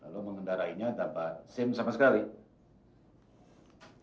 lalu mengendarainya ada pak sim sama sekali